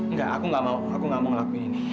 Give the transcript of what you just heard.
nggak aku gak mau ngelakuin ini